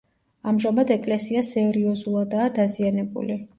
ამჟამად ეკლესია სერიოზულადაა დაზიანებული.